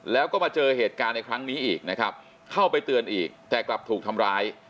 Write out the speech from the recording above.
แล้วก็มาเจอเหตุการณ์ในครั้งนี้อีกนะครับเข้าไปเตือนอีกแต่กลับถูกทำร้าย